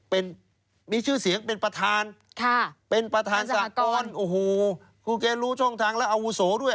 เป็นมีชื่อเสียงเป็นประธานค่ะเป็นประธานสากรโอ้โหคือแกรู้ช่องทางแล้วอาวุโสด้วย